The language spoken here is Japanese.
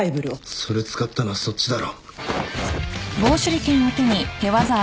それ使ったのはそっちだろ。